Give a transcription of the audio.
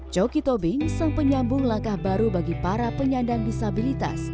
coki tobing sempenyambung langkah baru bagi para penyandang disabilitas